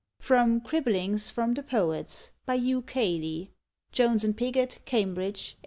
From " Cribblings from the Poets," by Hugh Cayley (Jones and Piggott, Cambridge, 1883.)